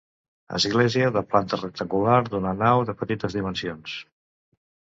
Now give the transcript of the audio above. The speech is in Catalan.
Església de planta rectangular d'una nau, de petites dimensions.